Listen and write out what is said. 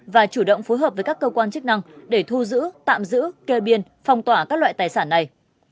và chủ động phối hợp với các cơ quan chức năng để thu giữ tạm giữ kê biên phong tỏa các loại tài sản này